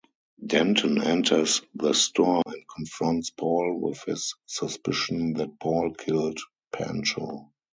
Denton enters the store and confronts Paul with his suspicion that Paul killed Pancho.